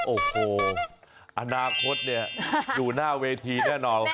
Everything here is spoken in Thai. โอ้โหอนาคตเนี่ยอยู่หน้าเวทีแน่นอน